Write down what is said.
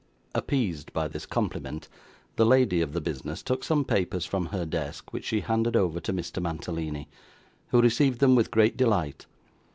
Appeased by this compliment, the lady of the business took some papers from her desk which she handed over to Mr. Mantalini, who received them with great delight.